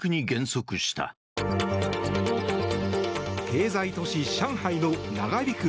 経済都市・上海の長引く